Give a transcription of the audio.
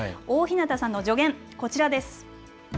大日向さんの助言、こちらです。